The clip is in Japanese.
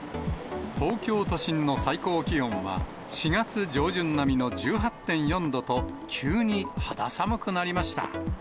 東京都心の最高気温は、４月上旬並みの１８．４度と、急に肌寒くなりました。